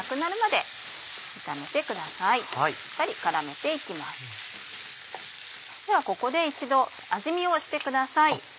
ではここで一度味見をしてください。